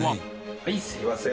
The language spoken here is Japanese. はいすいません。